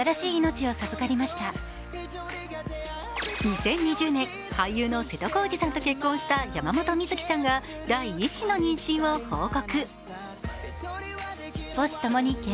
２０２０年、俳優の瀬戸康史さんと結婚した山本美月さんが第１子の妊娠を報告。